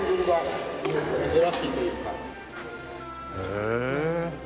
へえ。